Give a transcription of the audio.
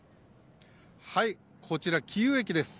こちら、キーウ駅です。